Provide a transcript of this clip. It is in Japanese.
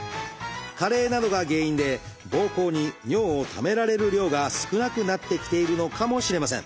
加齢などが原因でぼうこうに尿をためられる量が少なくなってきているのかもしれません。